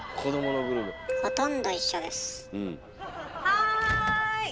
はい。